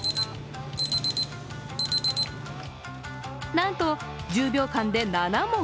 なんと、１０秒間で７問。